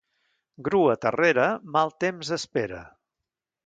Grua terrera, mal temps espera.